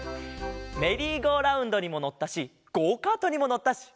メリーゴーラウンドにものったしゴーカートにものったし。